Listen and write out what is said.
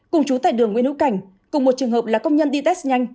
cùng chú tại đường nguyễn hữu cảnh cùng một trường hợp là công nhân đi test nhanh